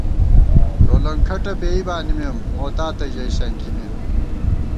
ٹولَنگ کھٹہ پېئ بانِمېم، موتاتہ ژَئی سنکِمېم